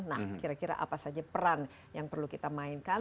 nah kira kira apa saja peran yang perlu kita mainkan